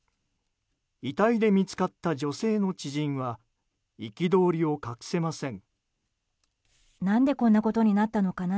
遺体で見つかった女性の知人は憤りを隠せません。